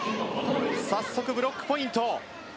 早速ブロックポイント。